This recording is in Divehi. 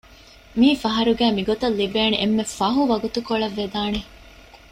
މީއީ ފަހަރުގަ މިގޮތަށް ލިބޭނެ އެންމެ ފަހު ވަގުތުކޮޅަށް ވެދާނެ